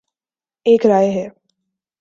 ایک رائے ہے